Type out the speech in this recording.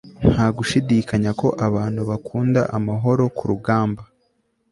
Nta gushidikanya ko abantu bakunda amahoro kurugamba